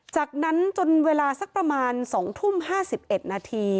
จากนั้นจนเวลาสักประมาณ๒ทุ่ม๕๑นาที